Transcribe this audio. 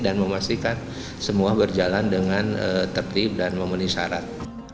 dan memastikan semua berjalan dengan tertib dan memenuhi syarat